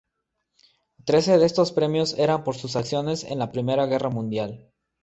Trece de estos premios eran por sus acciones en la Primera Guerra mundial.